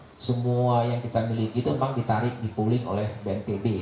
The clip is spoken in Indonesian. sekarang semua yang kita miliki itu memang ditarik dipuling oleh bnpb